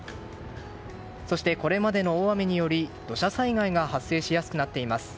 そして、これまでの大雨により土砂災害が発生しやすくなっています。